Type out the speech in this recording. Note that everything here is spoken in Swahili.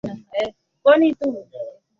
pwani Mabonde ya mito ya ndani ni